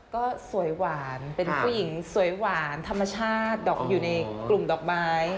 ก็สวยหวานเป็นผู้หญิงสวยหวานธรรมชาติอยู่ในกลุ่มดอกไม้